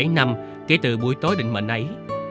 bảy năm kể từ buổi tối định mệnh ấy